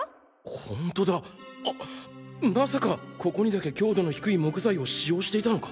ホントだまさかここにだけ強度の低い木材を使用していたのか？